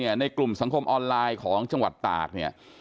ในกลุ่มสังคมออนไลน์ของจังหวัดตากเนี่ย